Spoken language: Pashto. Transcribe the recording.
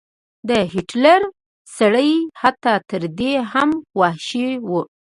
دا هټلر سړی حتی تر دې هم وحشي و.